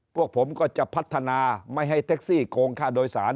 พวกผมก็จะพัฒนาไม่ให้แท็กซี่โกงค่าโดยสาร